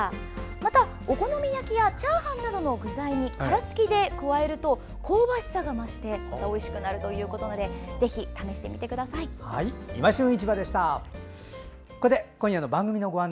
また、お好み焼きやチャーハンなどの具材に殻付きで加えると香ばしさが増してまたおいしくなるということで「いま旬市場」でした。